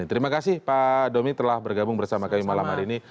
terima kasih pak domi telah bergabung bersama kami malam hari ini